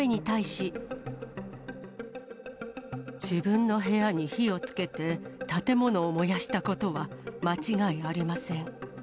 自分の部屋に火をつけて、建物を燃やしたことは間違いありません。